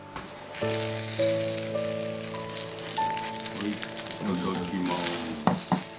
はいいただきます。